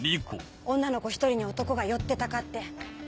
女の子１人に男が寄ってたかって。